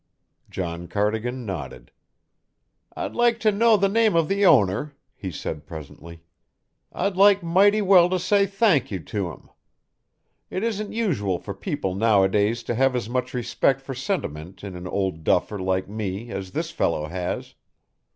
John Cardigan nodded. "I'd like to know the name of the owner," he said presently. "I'd like mighty well to say thank you to him. It isn't usual for people nowadays to have as much respect for sentiment in an old duffer like me as the fellow has.